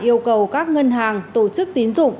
yêu cầu các ngân hàng tổ chức tín dụng